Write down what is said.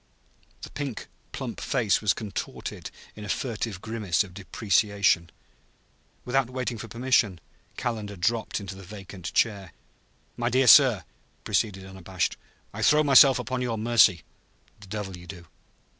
The pink plump face was contorted in a furtive grimace of deprecation. Without waiting for permission Calendar dropped into the vacant chair. "My dear sir," he proceeded, unabashed, "I throw myself upon your mercy." "The devil you do!"